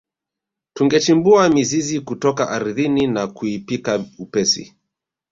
Tungechimbua mizizi kutoka ardhini na kuipika upesi